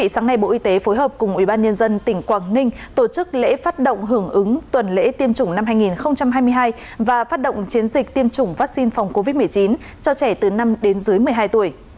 sáng nay bộ y tế phối hợp cùng ubnd tỉnh quảng ninh tổ chức lễ phát động hưởng ứng tuần lễ tiêm chủng năm hai nghìn hai mươi hai và phát động chiến dịch tiêm chủng vaccine phòng covid một mươi chín cho trẻ từ năm đến dưới một mươi hai tuổi